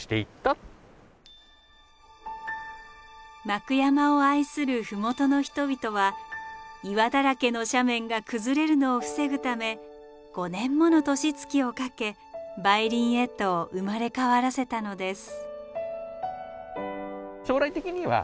幕山を愛する麓の人々は岩だらけの斜面が崩れるのを防ぐため５年もの年月をかけ梅林へと生まれ変わらせたのです。